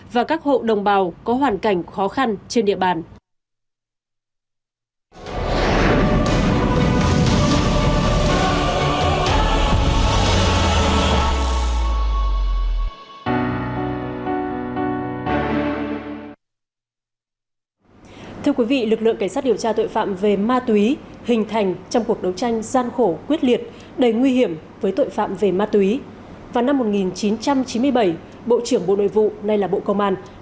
và các hộ đồng bào có hoàn cảnh khó khăn trên địa bàn